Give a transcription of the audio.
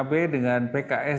pkb dengan pks